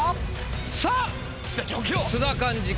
さあ津田寛治か？